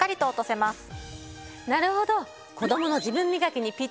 なるほど！